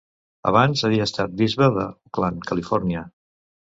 Abans havia estat bisbe d'Oakland, Califòrnia.